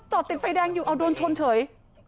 จอดติดไฟแดงอยู่โดนชนเฉย